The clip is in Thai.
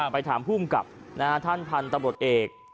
ไปถามภูมิกับท่านพันธุ์ตำรวจเอก